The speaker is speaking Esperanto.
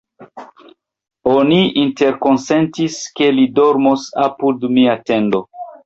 Oni interkonsentis, ke li dormos apud mia tendo.